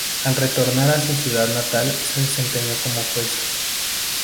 Al retornar a su ciudad natal, se desempeñó como juez.